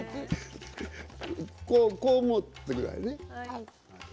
こう持ってくださいね。